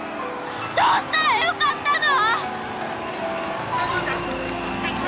どうしたらよかったの！？